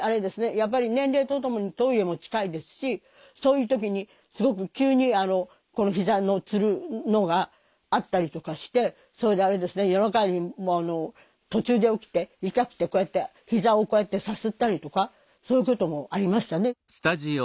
やっぱり年齢とともにトイレも近いですしそういう時にすごく急にひざのつるのがあったりとかしてそれであれですね夜中にもう途中で起きて痛くてこうやってひざをこうやってさすったりとかそういうこともありましたね。